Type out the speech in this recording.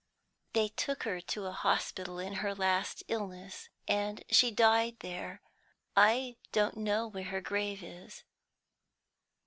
"They took her to a hospital in her last illness, and she died there. I don't know where her grave is."